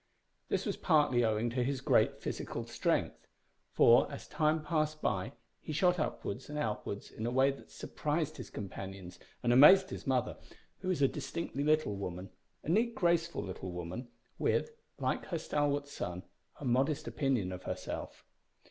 This was partly owing to his great physical strength, for, as time passed by he shot upwards and outwards in a way that surprised his companions and amazed his mother, who was a distinctly little woman a neat graceful little woman with, like her stalwart son, a modest opinion of herself.